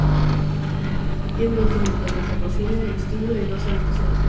Tiene dos dormitorios, la cocina, el vestíbulo y dos habitaciones más.